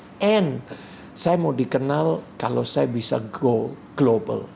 dan saya mau dikenal kalau saya bisa go global